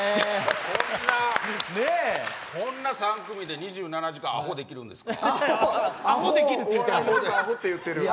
こんな３組で２７時間アホできるんですか。